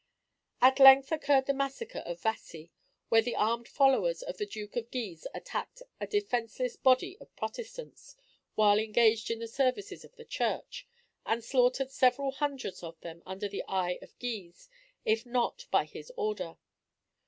At length occurred the massacre of Vassi, where the armed followers of the Duke of Guise attacked a defenceless body of Protestants, while engaged in the services of their church, and slaughtered several hundreds of them under the eye of Guise, if not by his orders.